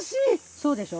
そうでしょ？